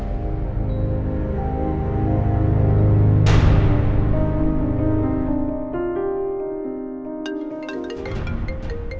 banyak temennya abi